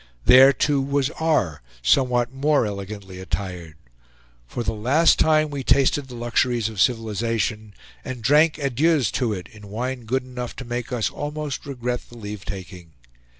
There, too, was R., somewhat more elegantly attired. For the last time we tasted the luxuries of civilization, and drank adieus to it in wine good enough to make us almost regret the leave taking.